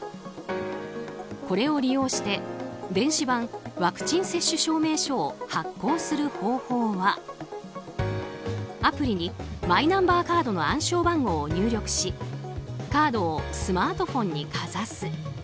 これを利用して電子版ワクチン接種証明書を発行する方法はアプリにマイナンバーカードの暗証番号を入力しカードをスマートフォンにかざす。